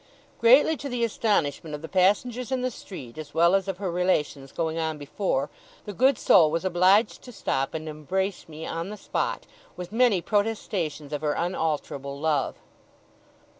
Greatly to the astonishment of the passengers in the street, as well as of her relations going on before, the good soul was obliged to stop and embrace me on the spot, with many protestations of her unalterable love.